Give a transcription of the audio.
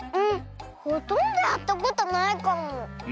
んほとんどやったことないかも。